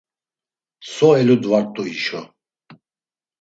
“So eludvart̆u hişo!”